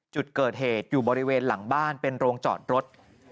จุดเกิดเหตุอยู่บริเวณหลังบ้านเป็นโรงจอดรถ